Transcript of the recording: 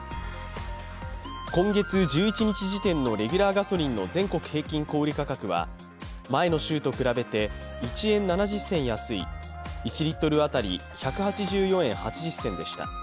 今月１１日時点のレギュラーガソリンの全国平均小売価格は、前の週と比べて１円７０銭安い１リットル当たり１８４円８０銭でした。